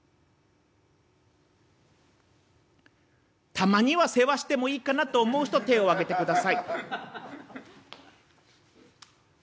「たまには世話してもいいかなと思う人手を挙げてください」。